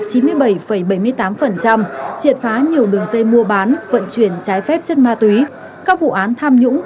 triệt phá nhiều đường dây mua bán vận chuyển trái phép chất ma túy các vụ án tham nhũng